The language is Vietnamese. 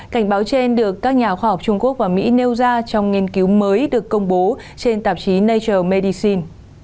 cảnh báo trên được các nhà khoa học trung quốc và mỹ nêu ra trong nghiên cứu mới được công bố trên tạp chí nature medicine